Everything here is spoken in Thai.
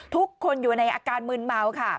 ทุกคนอยู่ในอาการมืนเมาค่ะ